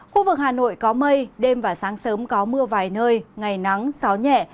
khu vực hà nội có mây đêm và sáng sớm có mưa vài nơi ngày nắng gió nhẹ